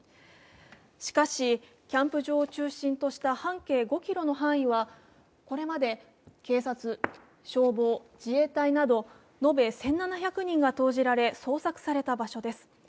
しかし、キャンプ場を中心とした半径５ｋｍの範囲はこれまで警察、消防、自衛隊など延べ１７００人が投じられ、捜索された場所です。